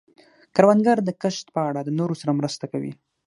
کروندګر د کښت په اړه د نورو سره مرسته کوي